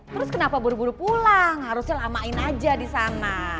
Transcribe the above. terus kenapa buru buru pulang harusnya lamain aja di sana